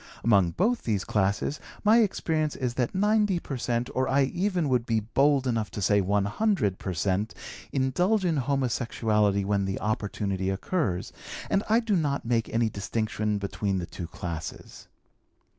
Among both these classes my experience is that 90 per cent, or I even would be bold enough to say 100 per cent, indulge in homosexuality when the opportunity occurs, and I do not make any distinction between the two classes.